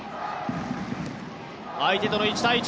相手との１対１。